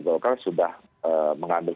golkar sudah mengambil